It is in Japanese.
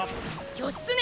義経！